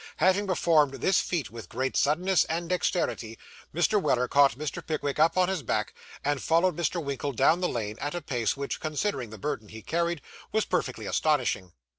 Having performed this feat with great suddenness and dexterity, Mr. Weller caught Mr. Pickwick up on his back, and followed Mr. Winkle down the lane at a pace which, considering the burden he carried, was perfectly astonishing.